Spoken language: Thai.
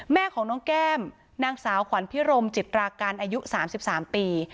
แม่ของน้องแก้มนางสาวขวัญพิรมจิตราการอายุ๓๓ปี